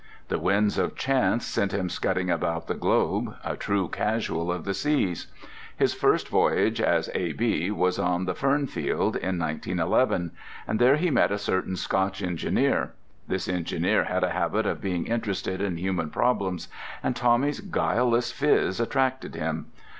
The winds of chance sent him scudding about the globe, a true casual of the seas. His first voyage as A.B. was on the Fernfield in 1911, and there he met a certain Scotch engineer. This engineer had a habit of being interested in human problems, and Tommy's guileless phiz attracted him.